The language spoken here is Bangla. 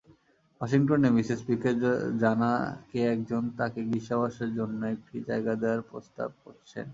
ওয়াশিংটনে মিসেস পীকের জানা কে একজন তাকে গ্রীষ্মাবাসের জন্য একটি জায়গা দেওয়ার প্রস্তাব করেছেন।